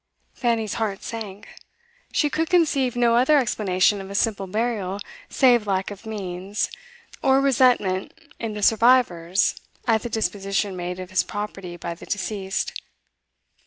Fanny's heart sank. She could conceive no other explanation of a simple burial save lack of means, or resentment in the survivors at the disposition made of his property by the deceased.